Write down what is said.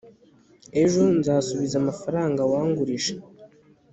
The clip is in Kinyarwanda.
ejo, nzasubiza amafaranga wangurije